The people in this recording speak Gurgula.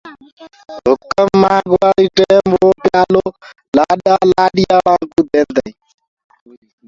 اور هُڪم منگوآ ٽيم وو پيآلو لآڏاݪا ڪوٚ ديندآ هينٚ۔